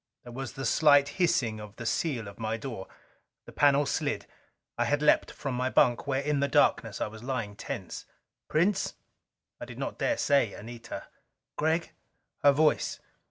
There was the slight hissing of the seal of my door. The panel slid. I had leaped from my bunk where in the darkness I was lying tense. "Prince?" I did not dare say "Anita." "Gregg." Her voice.